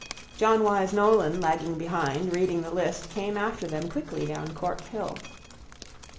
John Wyse Nolan, lagging behind, reading the list, came after them quickly down Cork hill.